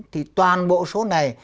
thì toàn bộ số này